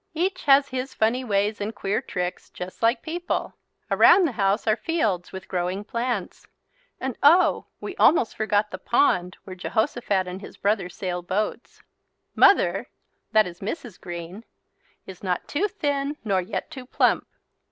Each has his funny ways and queer tricks just like people. Around the house are fields with growing plants and oh we almost forgot the pond where Jehosophat and his brother sail boats. Mother, that is Mrs. Green, is not too thin nor yet too plump.